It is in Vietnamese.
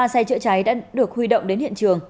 ba xe chữa cháy đã được huy động đến hiện trường